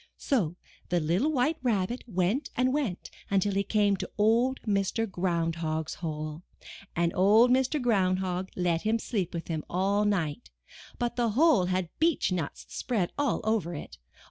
So the little White Rabbit went and went until he came to Old Mr. Ground Hog's hole, and Old Mr. Ground Hog let him sleep with him all night, but the hole had beech nuts spread all over it.